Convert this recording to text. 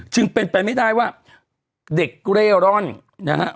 จึงเป็นไปไม่ได้ว่าเด็กเร่ร่อนนะฮะ